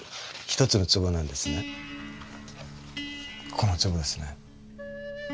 この壺ですね。